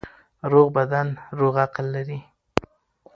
روغ بدن روغ عقل لري.